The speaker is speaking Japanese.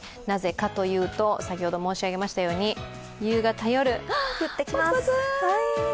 なぜかというと、先ほど申し上げましたように、夕方、夜、降ってきます。